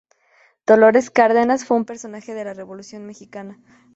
Dolores Cárdenas fue un personaje de la Revolución Mexicana.